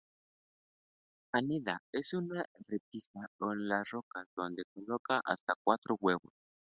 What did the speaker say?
Anida en una repisa o en las rocas, donde coloca hasta cuatro huevos.